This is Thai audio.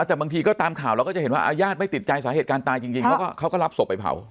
แต่บางทีก็ตามข่าวเราก็จะเห็นว่าญาติไม่ติดใจสาเหตุการณ์ตายจริงเขาก็รับศพไปเผา